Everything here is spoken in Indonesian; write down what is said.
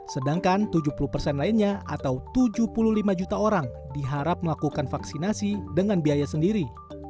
sedangkan tujuh puluh persen lainnya atau tujuh puluh lima juta orang diharap melakukan vaksinasi dengan biaya sendiri